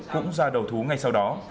cũng ra đầu thú ngay sau đó